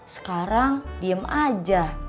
sekarang diem aja